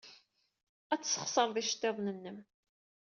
Ad tesxeṣred iceḍḍiḍen-nnem.